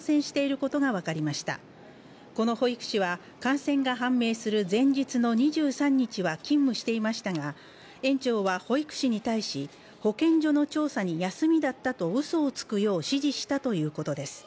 この保育士は感染が判明する前日の２３日は勤務していましたが園長は保育士に対し保健所の調査に休みだったとうそをつくよう指示したということです。